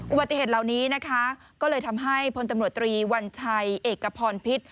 อุบัติเหตุเหล่านี้นะคะก็เลยทำให้พลตำรวจตรีวัญชัยเอกพรพิษ